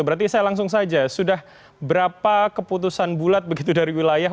berarti saya langsung saja sudah berapa keputusan bulat begitu dari wilayah